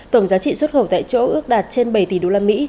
tổng giá trị xuất khẩu tại chỗ ước đạt trên bảy tỷ usd